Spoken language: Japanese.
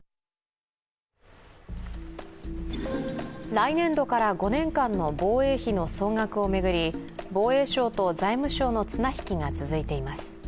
来年度から５年間の防衛費の総額を巡り、防衛省と財務省の綱引きが続いています。